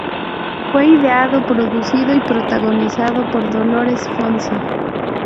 Fue ideado, producido y protagonizado por Dolores Fonzi.